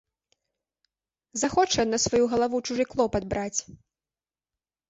Захоча ён на сваю галаву чужы клопат браць.